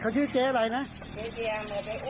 เขาชื่อเจ๊อะไรนะเจ๊เจียมหรือเจ๊อ้วน